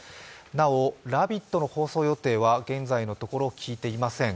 なお「ラヴィット！」の放送予定は現在のところ聞いていません。